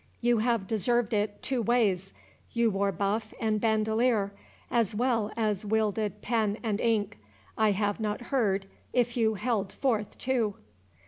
You have deserved it two ways—you wore buff and bandalier, as well as wielded pen and ink—I have not heard if you held forth too."